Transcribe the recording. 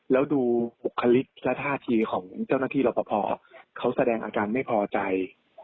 แล้วดูบุคลิกและท่าทีของเจ้าหน้าที่รับประพอเขาแสดงอาการไม่พอใจ